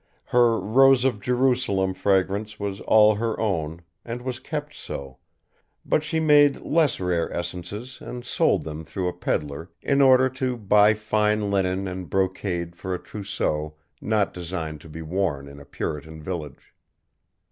Her Rose of Jerusalem fragrance was all her own, and was kept so, but she made less rare essences and sold them through a pedlar in order to buy fine linen and brocade for a trousseau not designed to be worn in a Puritan village.